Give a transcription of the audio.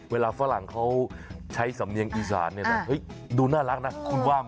เวลาฝรั่งเขาใช้สำเนียงอีซานดูน่ารักนะคุณว่าไหม